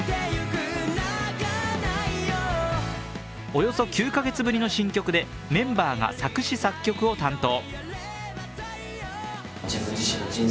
およそ９カ月ぶりの新曲でメンバーが作詞・作曲を担当。